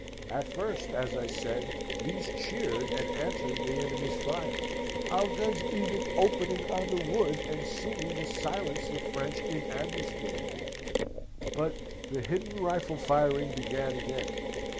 At first, as I said, these cheered and answered the enemy's fire, our guns even opening on the wood, and seeming to silence the French in ambuscade there. But the hidden rifle firing began again.